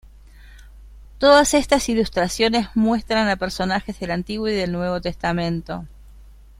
Todas estas ilustraciones muestran a personajes del Antiguo y del Nuevo Testamento.